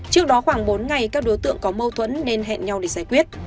trước đó khoảng bốn ngày các đối tượng có mâu thuẫn nên hẹn nhau để giải quyết